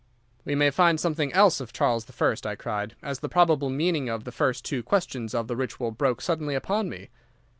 "'We may find something else of Charles the First,' I cried, as the probable meaning of the first two questions of the Ritual broke suddenly upon me.